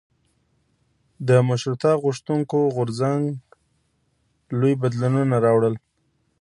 د مشروطه غوښتونکو غورځنګ لوی بدلونونه راوړل.